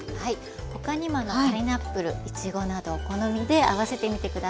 他にもパイナップルいちごなどお好みで合わせてみて下さい。